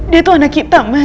di situ ada anaknya sama